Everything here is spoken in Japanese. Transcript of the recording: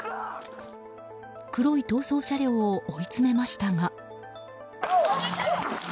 黒い逃走車両を追い詰めましたが。